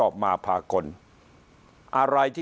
พักพลังงาน